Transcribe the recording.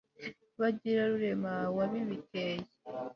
bagira rurema wabibeteye